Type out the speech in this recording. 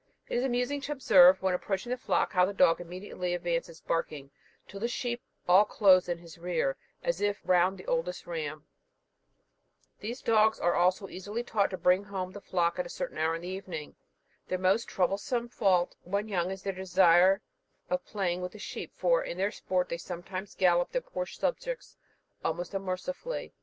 It is amusing to observe, when approaching a flock, how the dog immediately advances barking, and the sheep all close in his rear, as if round the oldest ram. These dogs are also easily taught to bring home the flock at a certain hour in the evening. Their most troublesome fault, when young, is their desire of playing with the sheep; for, in their sport, they sometimes gallop their poor subjects most unmercifully.